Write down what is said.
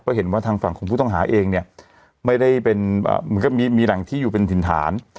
เพราะเห็นว่าทางฝั่งของผู้ต้องหาเองก็มีหนังที่อยู่เป็นฐินฐาน